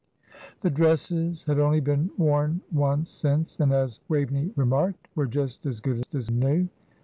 The dresses had only been worn once since, and, as Waveney remarked, were just as good as new.